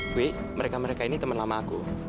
hui mereka mereka ini temen lama aku